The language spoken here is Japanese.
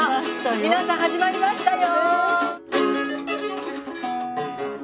皆さん始まりましたよ！